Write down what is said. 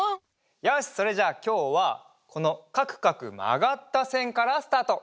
よしそれじゃあきょうはこのかくかくまがったせんからスタート！